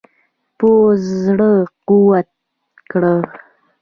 پوځ زړه قوت کړ.